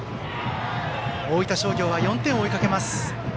大分商業は４点を追いかけます。